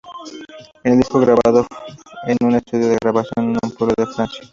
El "disco fue grabado" en un estudio de grabación de un pueblo de Francia.